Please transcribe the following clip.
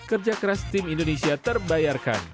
kekerasan tim indonesia terbayarkan